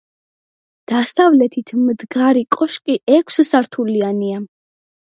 დასავლეთით მდგარი კოშკი ექვსსართულიანია.